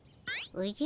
おじゃ？